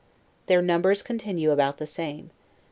Their numbers continue about the same.